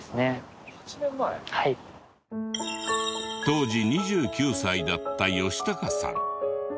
当時２９歳だった義崇さん。